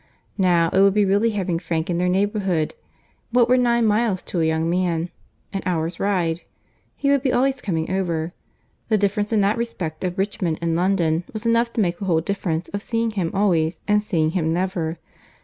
Now, it would be really having Frank in their neighbourhood. What were nine miles to a young man?—An hour's ride. He would be always coming over. The difference in that respect of Richmond and London was enough to make the whole difference of seeing him always and seeing him never.